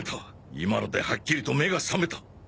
今のではっきりと目が覚めた。